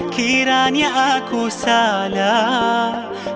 kiranya aku salah